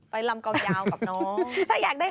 ลำกองยาวกับน้อง